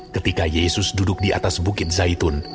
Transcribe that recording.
ketika yesus duduk di atas bukit zaitun